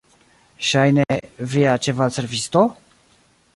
Ŝajne, via ĉevalservisto?